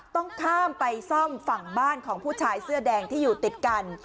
ต้องข้ามไปซ่อมฝั่งบ้านของผู้ชายเสื้อแดงที่อยู่ติดกัน